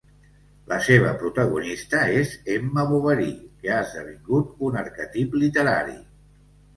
La seva protagonista és Emma Bovary, que ha esdevingut un arquetip literari.